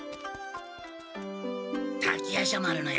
滝夜叉丸のヤツ